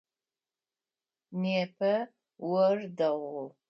Непэ ор дэгъу.